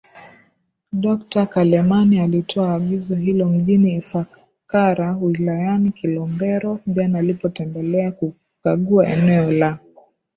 Dokta Kalemani alitoa agizo hilo mjini ifakara wilayani kilombero Jana alipotembelea kukagua eneo la